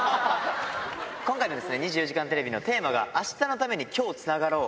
今回の２４時間テレビのテーマが明日のために、今日つながろう。